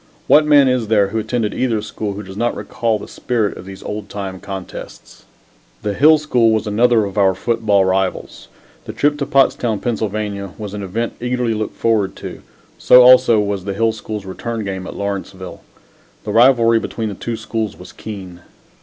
What man is there who attended either school who does not recall the spirit of those old time contests? The Hill School was another of our football rivals. The trip to Pottstown, Pa., was an event eagerly looked forward to so also was the Hill School's return game at Lawrenceville. The rivalry between the two schools was keen.